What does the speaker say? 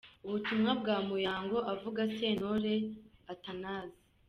Ubutumwa bwa Muyango avuga Sentore Athanase .